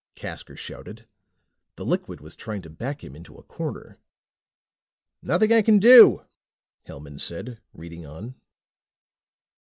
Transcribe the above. Casker shouted. The liquid was trying to back him into a corner. "Nothing I can do," Hellman said, reading on.